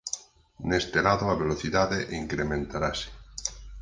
Neste lado a velocidade incrementarase.